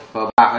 vợ bạc thì